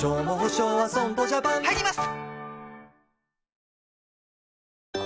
入ります！